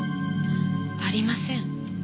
ありません。